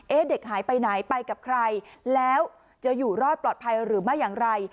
เด็กหายไปไหนไปกับใครแล้วจะอยู่รอดปลอดภัยหรือไม่อย่างไร